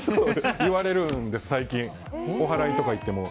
言われるんです、最近。お祓いとか行っても。